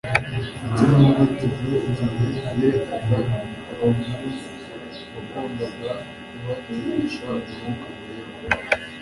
ndetse n'umubatizo igihe yerekaga abamwumvaga uwagombaga kubatirisha Umwuka wera.